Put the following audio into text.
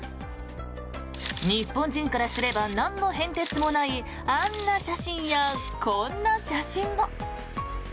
日本人からすればなんの変哲もないあんな写真やこんな写真も。